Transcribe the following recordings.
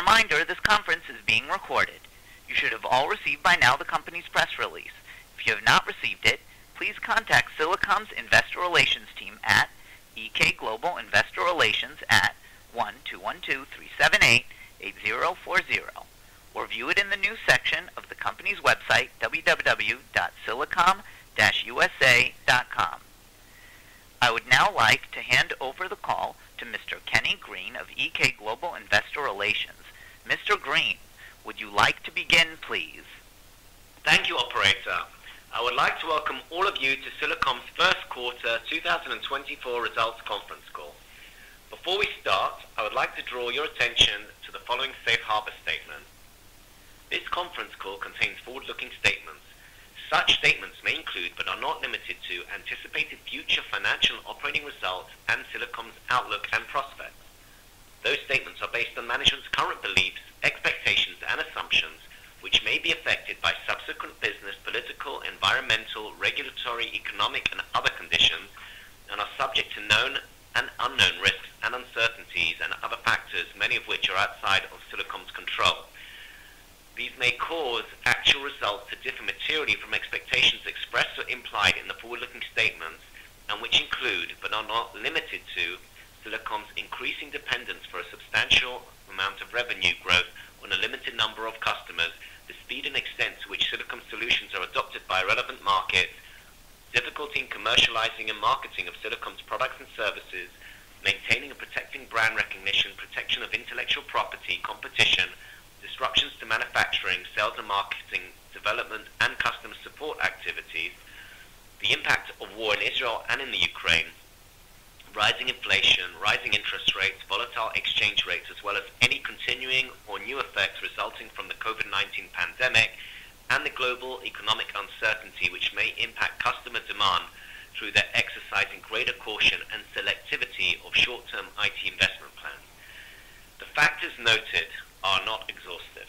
As a reminder, this conference is being recorded. You should have all received by now the company's press release. If you have not received it, please contact Silicom's investor relations team at EK Global Investor Relations at 1-212-378-8040, or view it in the news section of the company's website, www.silicom-usa.com. I would now like to hand over the call to Mr. Kenny Green of EK Global Investor Relations. Mr. Green, would you like to begin, please? Thank you, operator. I would like to welcome all of you to Silicom's first quarter 2024 results conference call. Before we start, I would like to draw your attention to the following safe harbor statement. This conference call contains forward-looking statements. Such statements may include, but are not limited to, anticipated future financial operating results and Silicom's outlook and prospects. Those statements are based on management's current beliefs, expectations, and assumptions, which may be affected by subsequent business, political, environmental, regulatory, economic, and other conditions, and are subject to known and unknown risks and uncertainties, and other factors, many of which are outside of Silicom's control. These may cause actual results to differ materially from expectations expressed or implied in the forward-looking statements, and which include, but are not limited to, Silicom's increasing dependence for a substantial amount of revenue growth on a limited number of customers, the speed and extent to which Silicom solutions are adopted by relevant markets, difficulty in commercializing and marketing of Silicom's products and services, maintaining and protecting brand recognition, protection of intellectual property, competition, disruptions to manufacturing, sales and marketing, development, and customer support activities, the impact of war in Israel and in the Ukraine, rising inflation, rising interest rates, volatile exchange rates, as well as any continuing or new effects resulting from the COVID-19 pandemic, and the global economic uncertainty, which may impact customer demand through their exercising greater caution and selectivity of short-term IT investment plans. The factors noted are not exhaustive.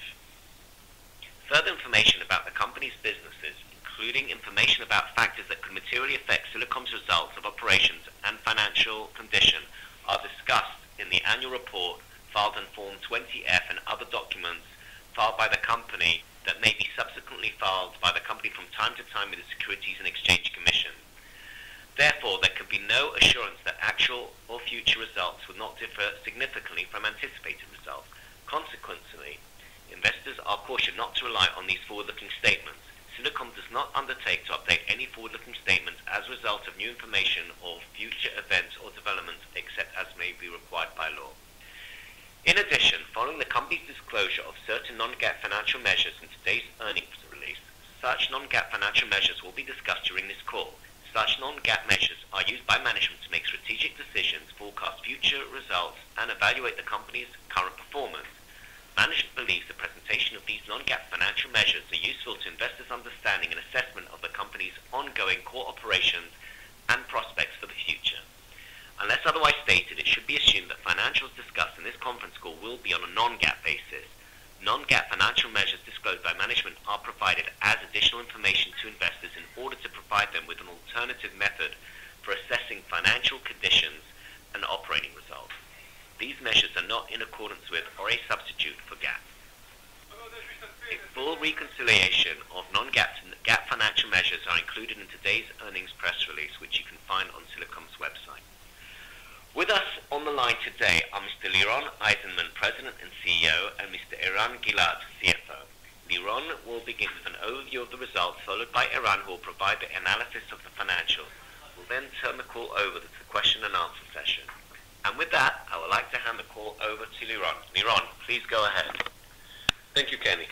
Further information about the company's businesses, including information about factors that could materially affect Silicom's results of operations and financial condition, are discussed in the annual report filed in Form 20-F and other documents filed by the company that may be subsequently filed by the company from time to time with the Securities and Exchange Commission. Therefore, there could be no assurance that actual or future results will not differ significantly from anticipated results. Consequently, investors are cautioned not to rely on these forward-looking statements. Silicom does not undertake to update any forward-looking statements as a result of new information or future events or developments, except as may be required by law. In addition, following the company's disclosure of certain non-GAAP financial measures in today's earnings release, such non-GAAP financial measures will be discussed during this call. Such non-GAAP measures are used by management to make strategic decisions, forecast future results, and evaluate the company's current performance. Management believes the presentation of these non-GAAP financial measures are useful to investors' understanding and assessment of the company's ongoing core operations and prospects for the future. Unless otherwise stated, it should be assumed that financials discussed in this conference call will be on a non-GAAP basis. Non-GAAP financial measures disclosed by management are provided as additional information to investors in order to provide them with an alternative method for assessing financial conditions and operating results. These measures are not in accordance with or a substitute for GAAP. A full reconciliation of non-GAAP, GAAP financial measures are included in today's earnings press release, which you can find on Silicom's website. With us on the line today are Mr. Liron Eizenman, President and CEO, and Mr. Eran Gilad, CFO. Liron will begin with an overview of the results, followed by Eran, who will provide the analysis of the financials. We'll then turn the call over to the question and answer session. With that, I would like to hand the call over to Liron. Liron, please go ahead. Thank you, Kenny.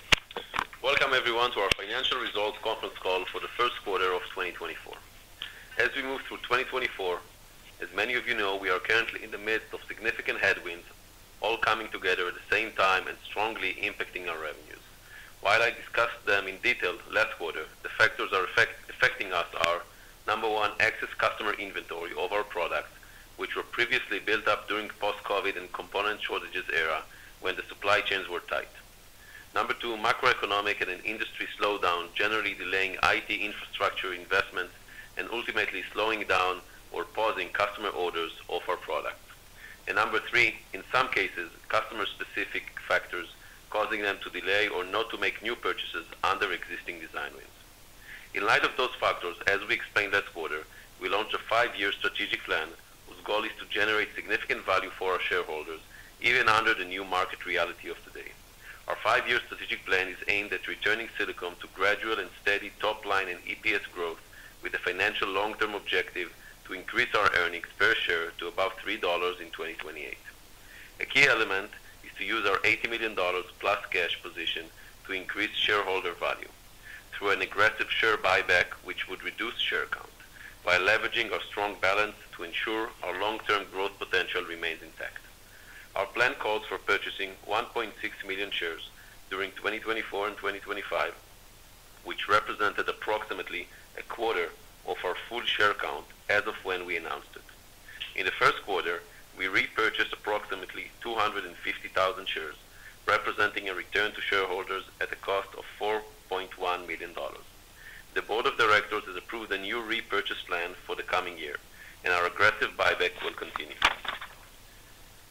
Welcome, everyone, to our financial results conference call for the first quarter of 2024. As we move through 2024, as many of you know, we are currently in the midst of significant headwinds, all coming together at the same time and strongly impacting our revenues. While I discussed them in detail last quarter, the factors affecting us are: one, excess customer inventory of our products, which were previously built up during post-COVID and component shortages era, when the supply chains were tight. two, macroeconomic and an industry slowdown, generally delaying IT infrastructure investments and ultimately slowing down or pausing customer orders of our product. And three, in some cases, customer-specific factors causing them to delay or not to make new purchases under existing design wins. In light of those factors, as we explained last quarter, we launched a five-year strategic plan, whose goal is to generate significant value for our shareholders, even under the new market reality of today. Our five-year strategic plan is aimed at returning Silicom to gradual and steady top line and EPS growth, with a financial long-term objective to increase our earnings per share to about $3 in 2028. A key element is to use our $80 million plus cash position to increase shareholder value through an aggressive share buyback, which would reduce share count, by leveraging our strong balance to ensure our long-term growth potential remains intact. Our plan calls for purchasing 1.6 million shares during 2024 and 2025, which represented approximately a quarter of our full share count as of when we announced it. In the first quarter, we repurchased approximately 250,000 shares, representing a return to shareholders at a cost of $4.1 million. The board of directors has approved a new repurchase plan for the coming year, and our aggressive buyback will continue.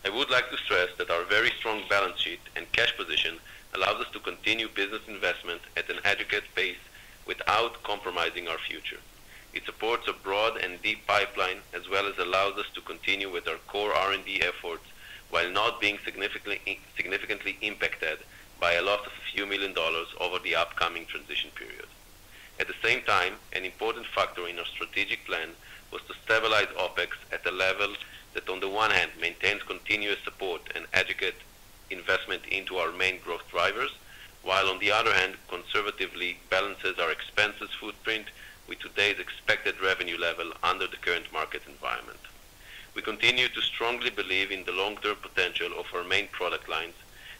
I would like to stress that our very strong balance sheet and cash position allows us to continue business investment at an aggregate pace without compromising our future. It supports a broad and deep pipeline, as well as allows us to continue with our core R&D efforts, while not being significantly impacted by a loss of a few million dollars over the upcoming transition period. At the same time, an important factor in our strategic plan was to stabilize OpEx at a level that, on the one hand, maintains continuous support and aggregate investment into our main growth drivers, while on the other hand, conservatively balances our expenses footprint with today's expected revenue level under the current market environment. We continue to strongly believe in the long-term potential of our main product lines,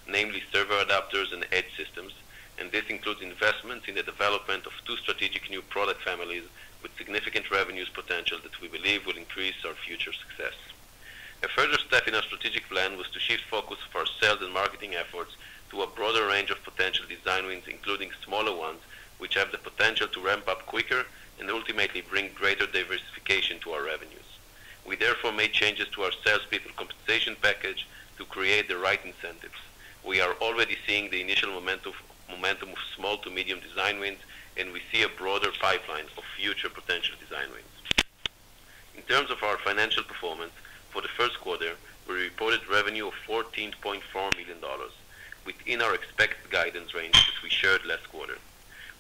namely server adapters and edge systems, and this includes investments in the development of two strategic new product families with significant revenues potential that we believe will increase our future success. A further step in our strategic plan was to shift focus of our sales and marketing efforts to a broader range of potential design wins, including smaller ones, which have the potential to ramp up quicker and ultimately bring greater diversification to our revenues. We therefore made changes to our salespeople compensation package to create the right incentives. We are already seeing the initial momentum of small to medium design wins, and we see a broader pipeline of future potential design wins. In terms of our financial performance, for the first quarter, we reported revenue of $14.4 million, within our expected guidance range, which we shared last quarter.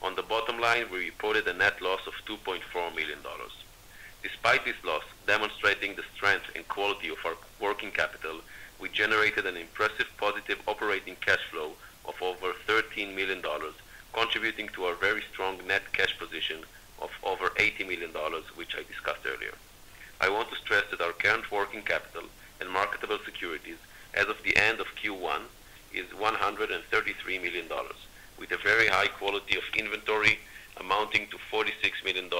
On the bottom line, we reported a net loss of $2.4 million. Despite this loss, demonstrating the strength and quality of our working capital, we generated an impressive positive operating cash flow of over $13 million, contributing to our very strong net cash position of over $80 million, which I discussed earlier. I want to stress that our current working capital and marketable securities as of the end of Q1 is $133 million, with a very high quality of inventory amounting to $46 million,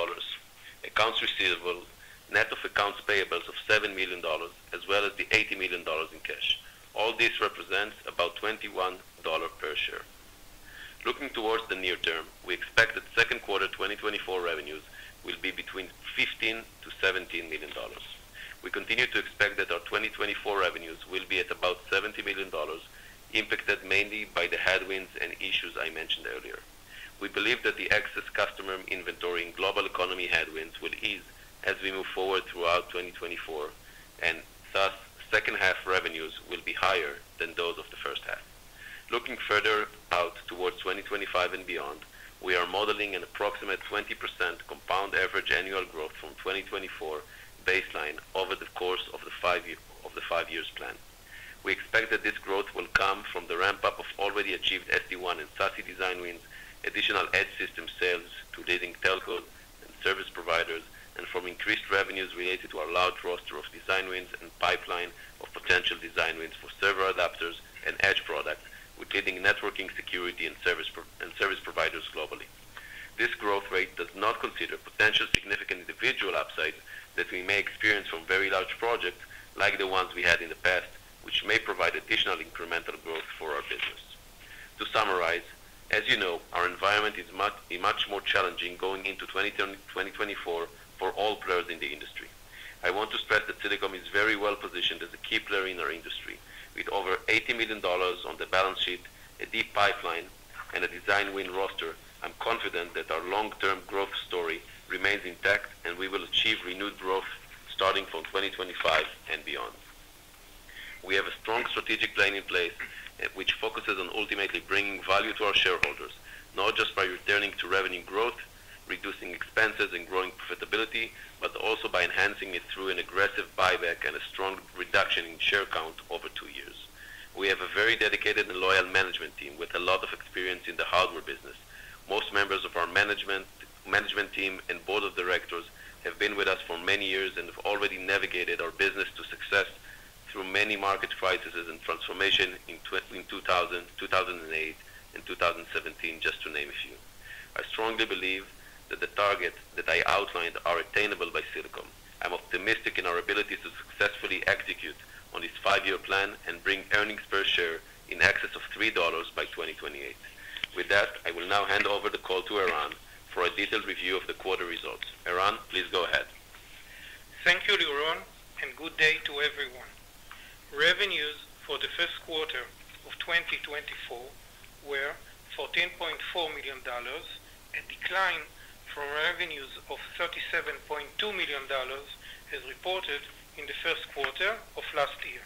accounts receivable, net of accounts payables of $7 million, as well as the $80 million in cash. All this represents about $21 per share. Looking towards the near term, we expect that second quarter 2024 revenues will be between $15 million-$17 million. We continue to expect that our 2024 revenues will be at about $70 million, impacted mainly by the headwinds and issues I mentioned earlier. We believe that the excess customer inventory in global economy headwinds will ease as we move forward throughout 2024, and thus, second half revenues will be higher than those of the first half. Looking further out towards 2025 and beyond, we are modeling an approximate 20% compound average annual growth from 2024 baseline over the course of the five-year plan. We expect that this growth will come from the ramp-up of already achieved SD-WAN and SASE design wins, additional edge system sales to leading telcos and service providers, and from increased revenues related to our large roster of design wins and pipeline of potential design wins for server adapters and edge products with leading networking, security, and service providers globally. This growth rate does not consider potential significant individual upside that we may experience from very large projects like the ones we had in the past, which may provide additional incremental growth for our business. To summarize, as you know, our environment is much, much more challenging going into 2024 for all players in the industry. I want to stress that Silicom is very well positioned as a key player in our industry. With over $80 million on the balance sheet, a deep pipeline, and a design win roster, I'm confident that our long-term growth story remains intact and we will achieve renewed growth starting from 2025 and beyond. We have a strong strategic plan in place, which focuses on ultimately bringing value to our shareholders, not just by returning to revenue growth, reducing expenses, and growing profitability, but also by enhancing it through an aggressive buyback and a strong reduction in share count over two years. We have a very dedicated and loyal management team with a lot of experience in the hardware business. Most members of our management, management team and board of directors have been with us for many years and have already navigated our business to success through many market crises and transformation in 2000, 2008, and 2017, just to name a few. I strongly believe that the targets that I outlined are attainable by Silicom. I'm optimistic in our ability to successfully execute on this five-year plan and bring earnings per share in excess of $3 by 2028. With that, I will now hand over the call to Eran for a detailed review of the quarter results. Eran, please go ahead. Thank you, Liron, and good day to everyone. Revenues for the first quarter of 2024 were $14.4 million, a decline from revenues of $37.2 million, as reported in the first quarter of last year.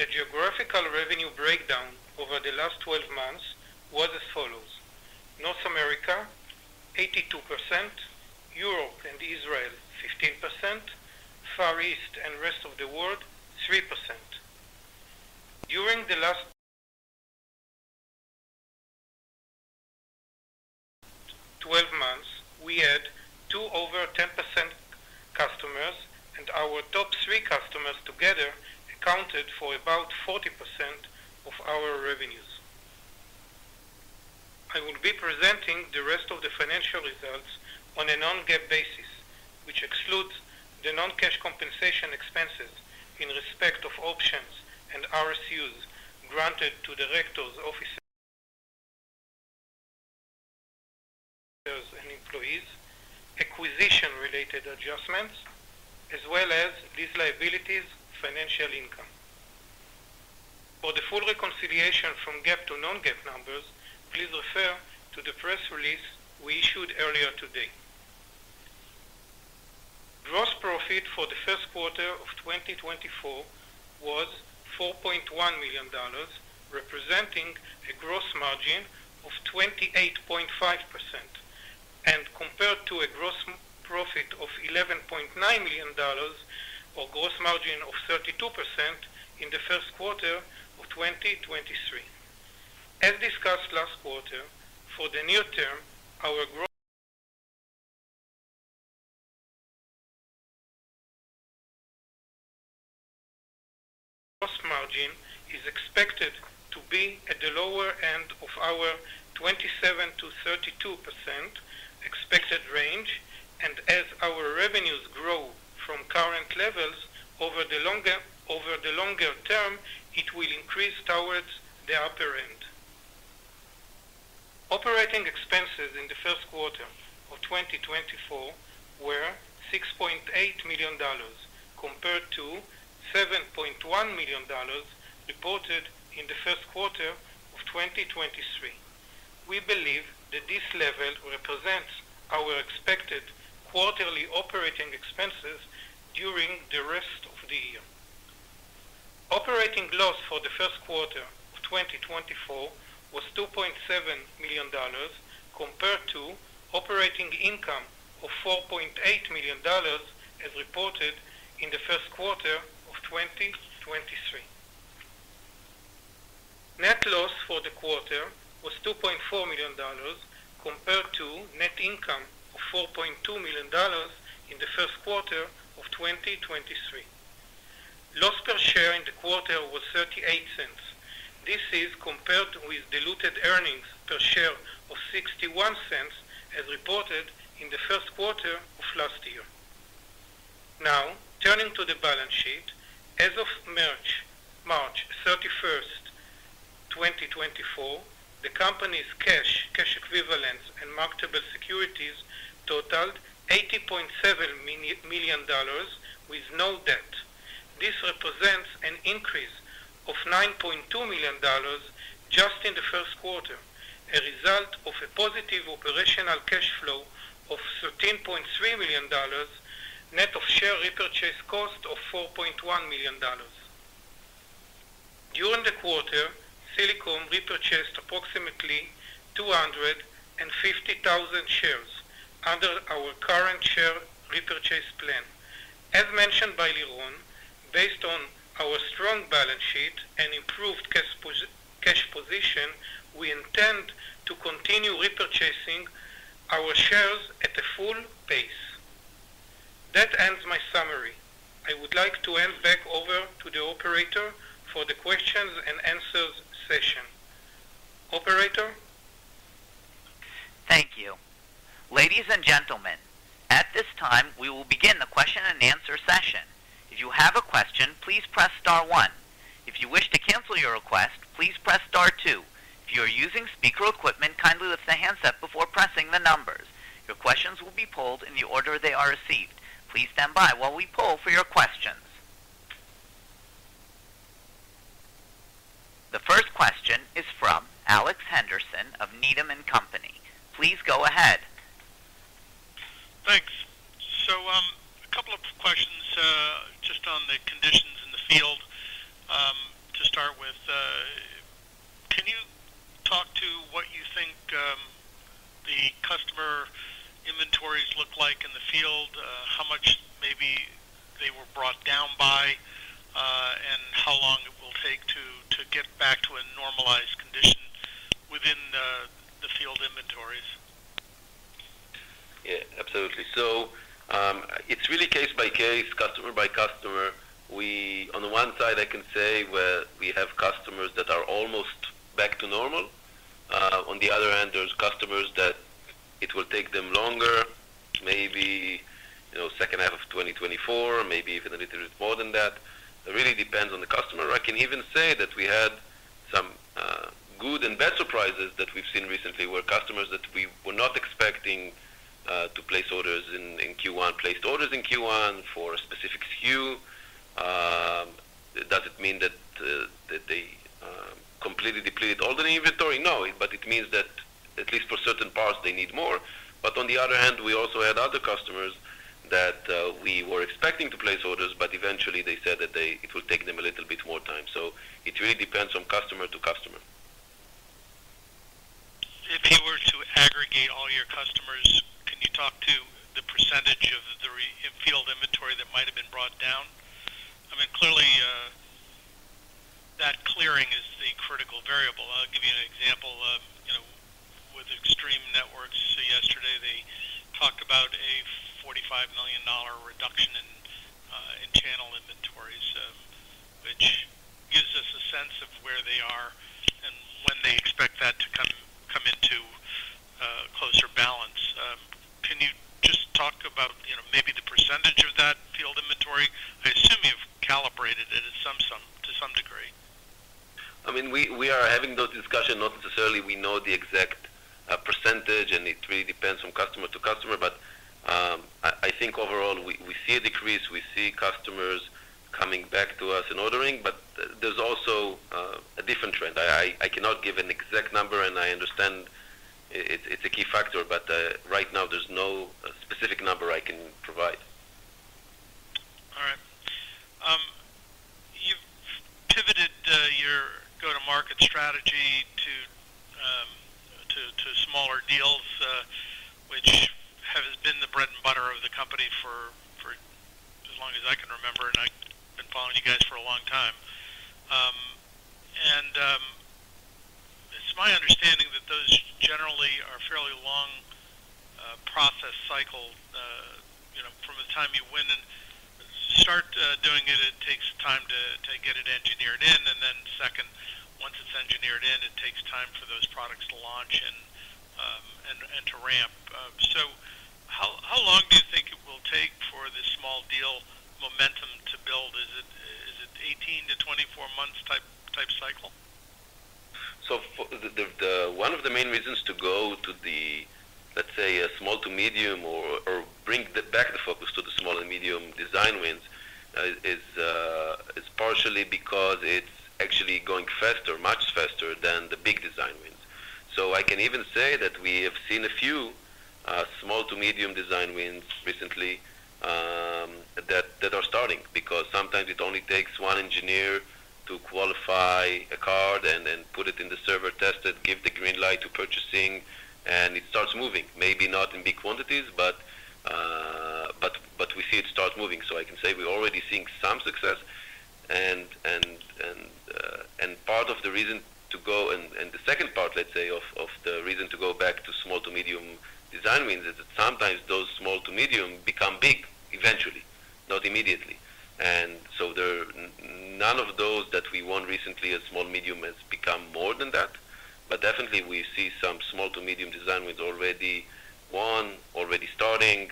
The geographical revenue breakdown over the last twelve months was as follows: North America, 82%; Europe and Israel, 15%; Far East and rest of the world, 3%. During the last twelve months, we had two over-10% customers, and our top three customers together accounted for about 40% of our revenues. I will be presenting the rest of the financial results on a non-GAAP basis, which excludes the non-cash compensation expenses in respect of options and RSUs granted to directors, officers, and employees, acquisition-related adjustments, as well as these liabilities' financial income. For the full reconciliation from GAAP to non-GAAP numbers, please refer to the press release we issued earlier today. Gross profit for the first quarter of 2024 was $4.1 million, representing a gross margin of 28.5%, and compared to a gross profit of $11.9 million, or gross margin of 32% in the first quarter of 2023. As discussed last quarter, for the near term, our gross margin is expected to be at the lower end of our 27%-32% expected range, and as our revenues grow from current levels over the longer, over the longer term, it will increase towards the upper end. Operating expenses in the first quarter of 2024 were $6.8 million, compared to $7.1 million reported in the first quarter of 2023. We believe that this level represents our expected quarterly operating expenses during the rest of the year. Operating loss for the first quarter of 2024 was $2.7 million, compared to operating income of $4.8 million, as reported in the first quarter of 2023. Net loss for the quarter was $2.4 million, compared to net income of $4.2 million in the first quarter of 2023. Loss per share in the quarter was $0.38. This is compared with diluted earnings per share of $0.61, as reported in the first quarter of last year. Now, turning to the balance sheet. As of March 31st, 2024, the company's cash, cash equivalents, and marketable securities totaled $80.7 million with no debt. This represents an increase of $9.2 million just in the first quarter, a result of a positive operational cash flow of $13.3 million, net of share repurchase cost of $4.1 million. During the quarter, Silicom repurchased approximately 250,000 shares under our current share repurchase plan. As mentioned by Liron, based on our strong balance sheet and improved cash position, we intend to continue repurchasing our shares at a full pace. That ends my summary. I would like to hand back over to the operator for the questions and answers session. Operator? Thank you. Ladies and gentlemen, at this time, we will begin the question and answer session. If you have a question, please press star one. If you wish to cancel your request, please press star two. If you are using speaker equipment, kindly lift the handset before pressing the numbers. Your questions will be polled in the order they are received. Please stand by while we poll for your questions. The first question is from Alex Henderson of Needham & Company. Please go ahead. Thanks. So, a couple of questions, just on the conditions in the field, to start with. Can you talk to what you think, the customer inventories look like in the field? How much maybe they were brought down by, and how long it will take to get back to a normalized condition within the field inventories? Yeah, absolutely. So, it's really case by case, customer by customer. On the one side, I can say where we have customers that are almost back to normal. On the other hand, there's customers that it will take them longer, maybe, you know, second half of 2024, maybe even a little bit more than that. It really depends on the customer. I can even say that we had some good and bad surprises that we've seen recently, where customers that we were not expecting to place orders in Q1, placed orders in Q1 for a specific SKU. Does it mean that they completely depleted all the inventory? No, but it means that at least for certain parts, they need more. But on the other hand, we also had other customers that we were expecting to place orders, but eventually they said that it will take them a little bit more time. So it really depends from customer to customer. If you were to aggregate all your customers, can you talk to the percentage of the in-field inventory that might have been brought down? I mean, clearly, that clearing is the critical variable. I'll give you an example of, you know, with Extreme Networks, yesterday, they talked about a $45 million reduction in channel inventories, which to closer balance. Can you just talk about, you know, maybe the percentage of that field inventory? I assume you've calibrated it at some to some degree. I mean, we are having those discussions, not necessarily we know the exact percentage, and it really depends from customer to customer. But, I cannot give an exact number, and I understand it, it's a key factor, but right now, there's no specific number I can provide. All right. You've pivoted your go-to-market strategy to smaller deals, which has been the bread and butter of the company for as long as I can remember, and I've been following you guys for a long time. And it's my understanding that those generally are fairly long process cycle, you know, from the time you win and start doing it, it takes time to get it engineered in. And then second, once it's engineered in, it takes time for those products to launch and to ramp. So how long do you think it will take for this small deal momentum to build? Is it 18-24 months type cycle? So for the one of the main reasons to go to the, let's say, a small to medium or bring back the focus to the small and medium design wins is partially because it's actually going faster, much faster than the big design wins. So I can even say that we have seen a few small to medium design wins recently, that are starting, because sometimes it only takes one engineer to qualify a card and then put it in the server, test it, give the green light to purchasing, and it starts moving. Maybe not in big quantities, but we see it start moving. So I can say we're already seeing some success, and part of the reason to go, and the second part, let's say, of the reason to go back to small-to-medium design wins, is that sometimes those small-to-medium become big, eventually, not immediately. And so none of those that we won recently as small-to-medium has become more than that. But definitely we see some small-to-medium design wins already won, already starting,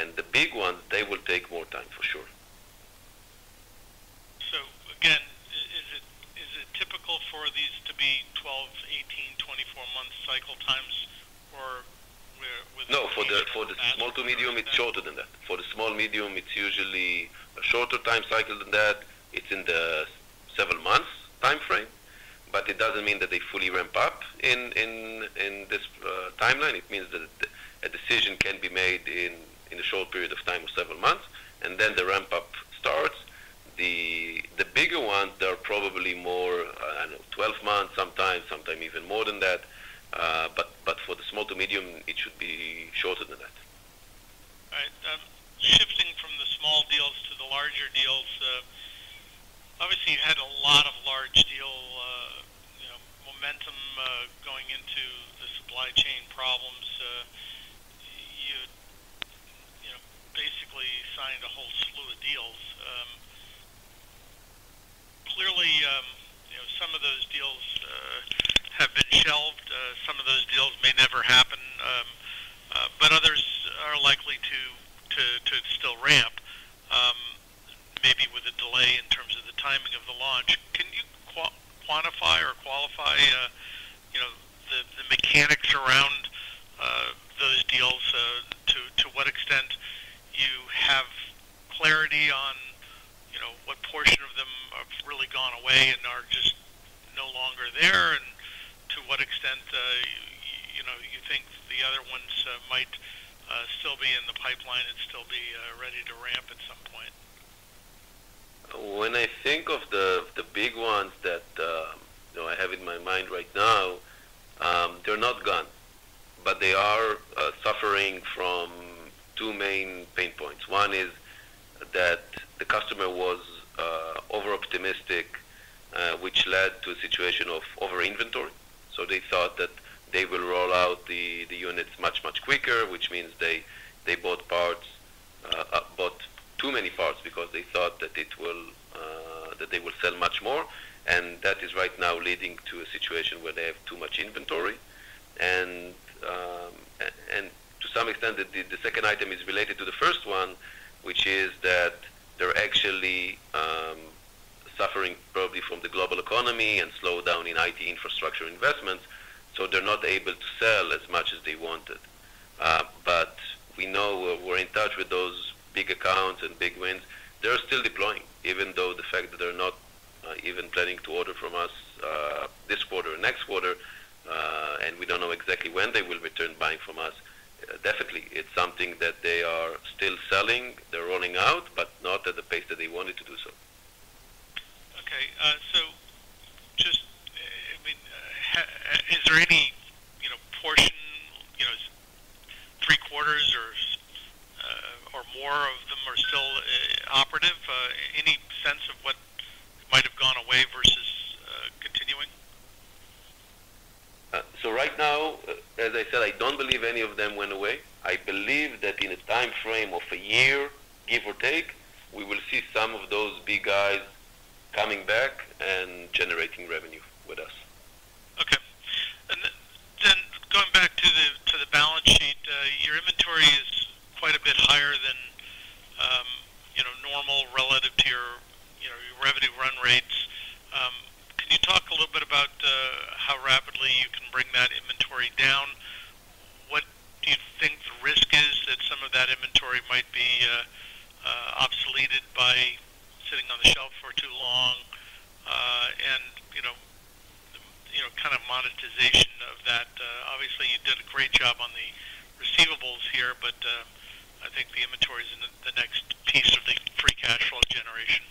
and the big ones, they will take more time, for sure. So again, is it, is it typical for these to be 12-, 18-, 24-month cycle times, or where would- No, for the small to medium, it's shorter than that. For the small, medium, it's usually a shorter time cycle than that. It's in the several months timeframe, but it doesn't mean that they fully ramp up in this timeline. It means that a decision can be made in a short period of time of several months, and then the ramp-up starts. The bigger ones, they are probably more, I don't know, 12 months, sometimes, sometime even more than that. But for the small to medium, it should be shorter than that. Right. Shifting from the small deals to the larger deals, obviously, you had a lot of large deal momentum going into the supply chain problems. You know, basically signed a whole slew of deals. Clearly, you know, some of those deals have been shelved, some of those deals may never happen, but others are likely to still ramp, maybe with a delay in terms of the timing of the launch. Can you quantify or qualify, you know, the mechanics around those deals? To what extent you have clarity on, you know, what portion of them have really gone away and are just no longer there, and to what extent, you know, you think the other ones might still be in the pipeline and still be ready to ramp at some point? When I think of the big ones that you know I have in my mind right now, they're not gone, but they are suffering from two main pain points. One is that the customer was overoptimistic, which led to a situation of over-inventory. So they thought that they will roll out the units much quicker, which means they bought parts, bought too many parts because they thought that it will that they will sell much more. And that is right now leading to a situation where they have too much inventory. And to some extent, the second item is related to the first one, which is that they're actually suffering probably from the global economy and slowdown in IT infrastructure investments, so they're not able to sell as much as they wanted. But we know we're in touch with those big accounts and big wins. They're still deploying, even though the fact that they're not even planning to order from us this quarter or next quarter, and we don't know exactly when they will return buying from us. Definitely, it's something that they are still selling, they're rolling out, but not at the pace that they wanted to do so. Okay, so just, I mean, is there any, you know, portion, you know, three quarters or, or more of them are still operative? Any sense of what might have gone away versus continuing?... So right now, as I said, I don't believe any of them went away. I believe that in a time frame of a year, give or take, we will see some of those big guys coming back and generating revenue with us. Okay. And then going back to the balance sheet, your inventory is quite a bit higher than, you know, normal relative to your, you know, your revenue run rates. Can you talk a little bit about how rapidly you can bring that inventory down? What do you think the risk is that some of that inventory might be obsoleted by sitting on the shelf for too long? And, you know, kind of monetization of that. Obviously, you did a great job on the receivables here, but I think the inventory is in the next piece of the free cash flow generation.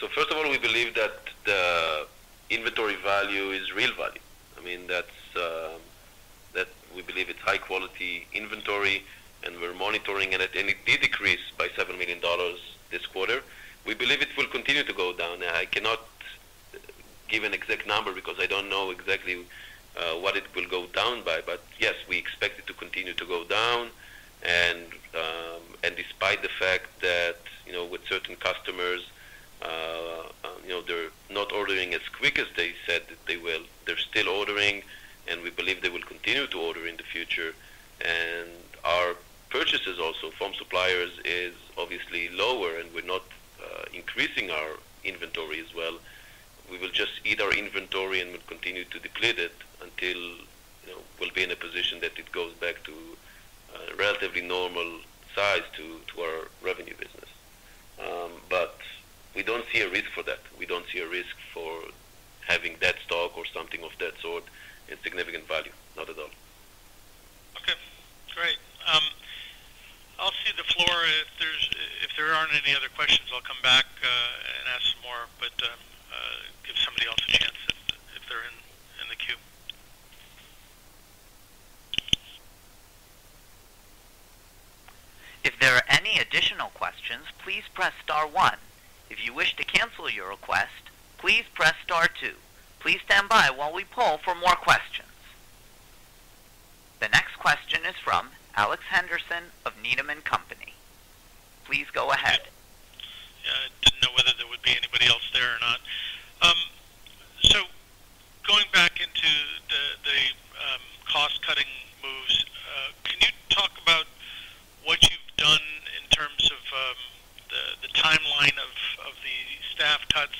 So first of all, we believe that the inventory value is real value. I mean, that's that we believe it's high-quality inventory, and we're monitoring it, and it did decrease by $7 million this quarter. We believe it will continue to go down. I cannot give an exact number because I don't know exactly what it will go down by, but yes, we expect it to continue to go down. And despite the fact that, you know, with certain customers, you know, they're not ordering as quick as they said that they will, they're still ordering, and we believe they will continue to order in the future. And our purchases also from suppliers is obviously lower, and we're not increasing our inventory as well. We will just eat our inventory, and we'll continue to deplete it until, you know, we'll be in a position that it goes back to a relatively normal size to our revenue business. But we don't see a risk for that. We don't see a risk for having that stock or something of that sort in significant value. Not at all. Okay, great. I'll yield the floor. If there aren't any other questions, I'll come back and ask some more, but give somebody else a chance if they're in the queue. If there are any additional questions, please press star one. If you wish to cancel your request, please press star two. Please stand by while we poll for more questions. The next question is from Alex Henderson of Needham & Company. Please go ahead. Yeah, I didn't know whether there would be anybody else there or not. So going back into the cost-cutting moves, can you talk about what you've done in terms of the timeline of the staff cuts?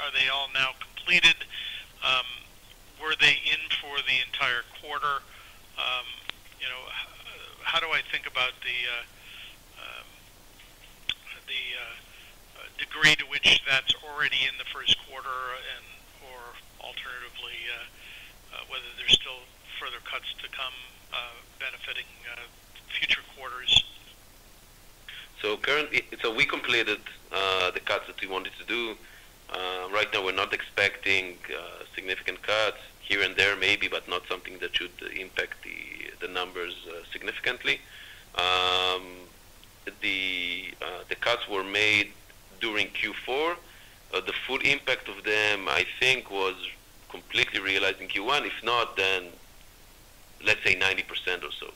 Are they all now completed? Were they in for the entire quarter? You know, how do I think about the degree to which that's already in the first quarter and, or alternatively, whether there's still further cuts to come, benefiting future quarters? Currently, we completed the cuts that we wanted to do. Right now, we're not expecting significant cuts here and there, maybe, but not something that should impact the numbers significantly. The cuts were made during Q4. The full impact of them, I think, was completely realized in Q1. If not, then let's say 90% or so.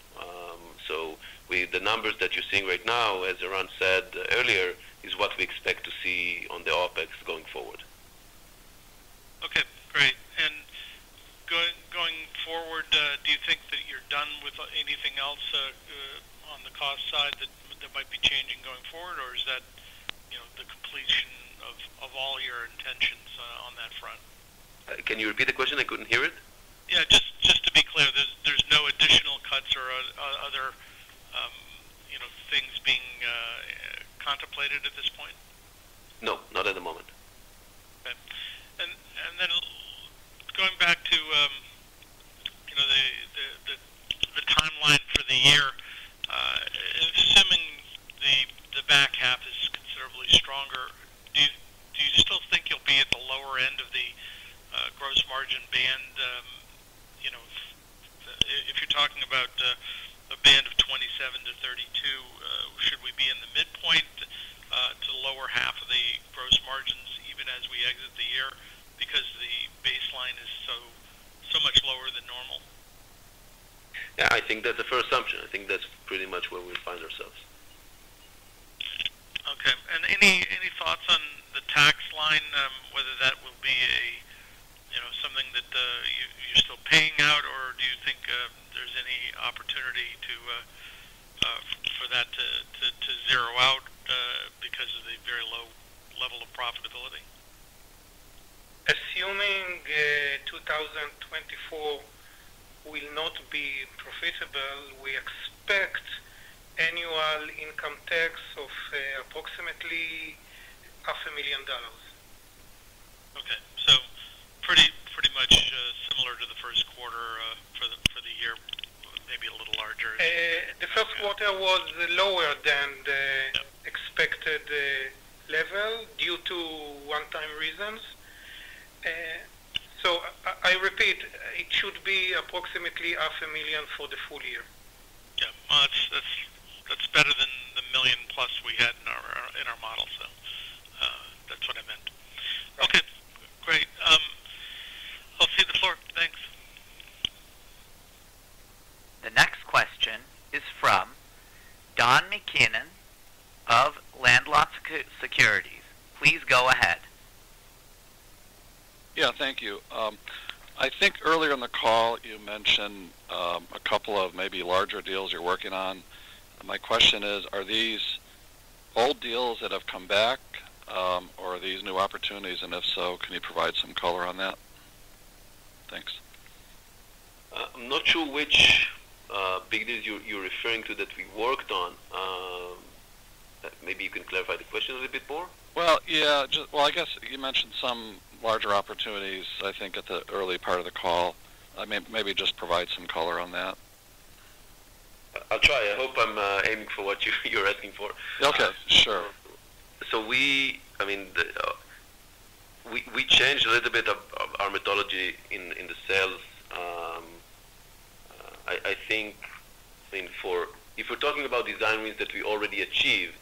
The numbers that you're seeing right now, as Eran said earlier, is what we expect to see on the OpEx going forward. Okay, great. Going forward, do you think that you're done with anything else on the cost side that might be changing going forward? Or is that, you know, the completion of all your intentions on that front? Can you repeat the question? I couldn't hear it. Yeah, just, just to be clear, there's, there's no additional cuts or other, you know, things being contemplated at this point? No, not at the moment. Okay. And then going back to, you know, the timeline for the year, assuming the back half is considerably stronger, do you still think you'll be at the lower end of the gross margin band, you know, if you're talking about a band of 27%-32%, should we be in the midpoint to the lower half of the gross margins, even as we exit the year? Because the baseline is so much lower than normal. Yeah, I think that's a fair assumption. I think that's pretty much where we find ourselves. Okay. And any thoughts on the tax line, whether that will be a, you know, something that you're still paying out, or do you think there's any opportunity for that to zero out, because of the very low level of profitability? Assuming, 2024 will not be profitable, we expect annual income tax of approximately $500,000. Okay. So pretty much similar to the first quarter for the year, maybe a little larger. The first quarter was lower than the- Yeah. -expected, level due to one-time reasons. So I, I repeat, it should be approximately $500,000 for the full year. Yeah. Well, that's better than the million plus we had now.... That's what I meant. Okay, great. I'll cede the floor. Thanks. The next question is from Don McKiernan of Landolt Securities. Please go ahead. Yeah, thank you. I think earlier in the call, you mentioned a couple of maybe larger deals you're working on. My question is: Are these old deals that have come back, or are these new opportunities? And if so, can you provide some color on that? Thanks. I'm not sure which big deals you're referring to that we worked on. Maybe you can clarify the question a little bit more. Well, yeah. Well, I guess you mentioned some larger opportunities, I think, at the early part of the call. I mean, maybe just provide some color on that. I'll try. I hope I'm aiming for what you, you're asking for. Okay, sure. So we, I mean, we changed a little bit of our methodology in the sales. I think, I mean, for. If we're talking about design wins that we already achieved,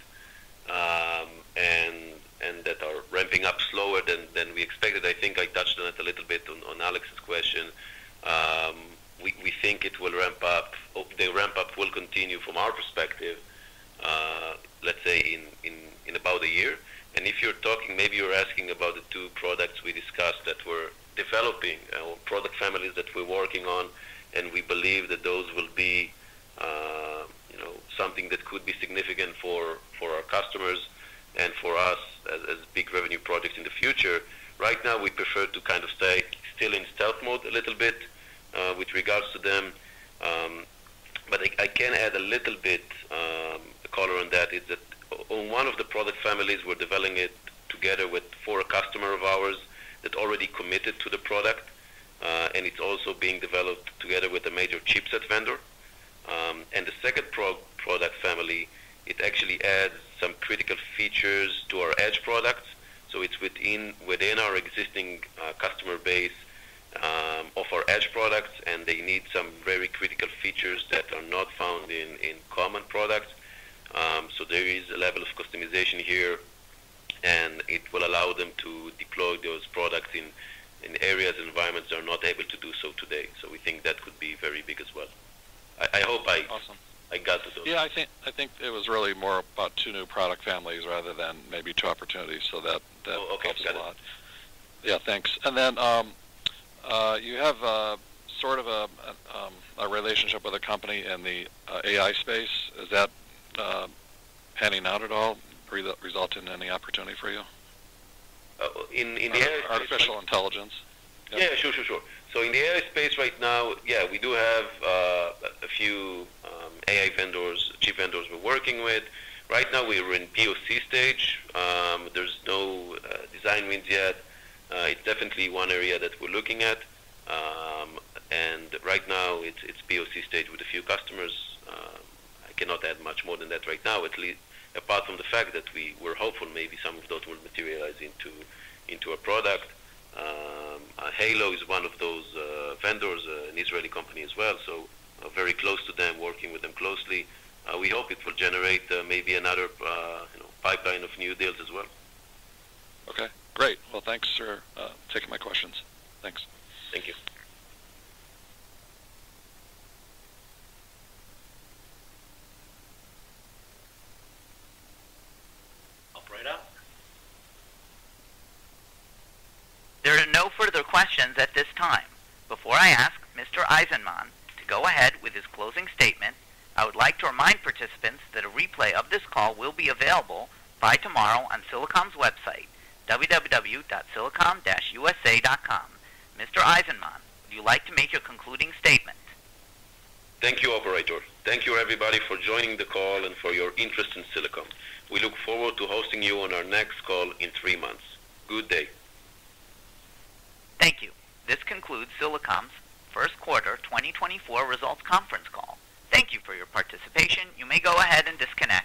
and that are ramping up slower than we expected, I think I touched on it a little bit on Alex's question. We think it will ramp up, or the ramp-up will continue from our perspective, let's say, in about a year. And if you're talking, maybe you're asking about the two products we discussed that we're developing, or product families that we're working on, and we believe that those will be, you know, something that could be significant for our customers and for us as big revenue projects in the future. Right now, we prefer to kind of stay still in stealth mode a little bit, with regards to them. But I, I can add a little bit, color on that, is that on one of the product families, we're developing it together with for a customer of ours that already committed to the product, and it's also being developed together with a major chipset vendor. And the second product family, it actually adds some critical features to our edge products, so it's within, within our existing, customer base, of our edge products, and they need some very critical features that are not found in, in common products. So there is a level of customization here, and it will allow them to deploy those products in, in areas and environments they're not able to do so today. So we think that could be very big as well. I hope I- Awesome. I got to those. Yeah, I think, I think it was really more about two new product families rather than maybe two opportunities, so that, that helps a lot. Okay, got it. Yeah, thanks. And then, you have a sort of a relationship with a company in the AI space. Is that panning out at all, result in any opportunity for you? In the AI space- Artificial intelligence. Yeah, sure, sure, sure. So in the AI space right now, yeah, we do have a few AI vendors, chip vendors we're working with. Right now, we're in POC stage. There's no design wins yet. It's definitely one area that we're looking at. And right now, it's POC stage with a few customers. I cannot add much more than that right now, at least apart from the fact that we were hopeful maybe some of those will materialize into a product. Hailo is one of those vendors, an Israeli company as well, so very close to them, working with them closely. We hope it will generate maybe another, you know, pipeline of new deals as well. Okay, great. Well, thanks for taking my questions. Thanks. Thank you. Operator? There are no further questions at this time. Before I ask Mr. Eizenman to go ahead with his closing statement, I would like to remind participants that a replay of this call will be available by tomorrow on Silicom's website, www.silicom-usa.com. Mr. Eizenman, would you like to make your concluding statement? Thank you, operator. Thank you, everybody, for joining the call and for your interest in Silicom. We look forward to hosting you on our next call in three months. Good day. Thank you. This concludes Silicom's first quarter 2024 results conference call. Thank you for your participation. You may go ahead and disconnect.